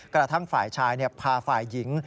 กระทั่งฝ่ายชายพาฝ่ายหญิง